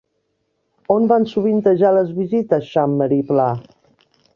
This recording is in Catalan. On van sovintejar les visites Xammar i Pla?